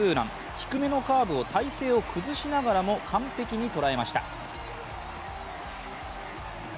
低めのカーブを体勢を崩しながらも、完璧に捉えました。